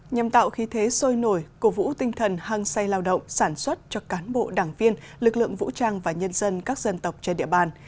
nhằm tạo khí thế sôi nổi cổ vũ tinh thần hăng say lao động sản xuất cho cán bộ đảng viên lực lượng vũ trang và nhân dân các dân tộc trên địa bàn